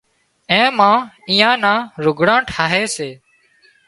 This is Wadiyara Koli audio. اين مان ايئان نان لگھڙان ٺاهي سي